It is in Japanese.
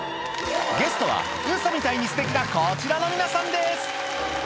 ゲストは、ウソみたいにすてきなこちらの皆さんです。